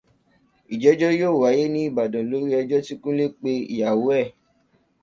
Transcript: Ìgbẹ́jọ́ yóò wáyé ní Ibadan lórí ẹjọ́ tí Kúnlé pe ìyàwó ẹ̀.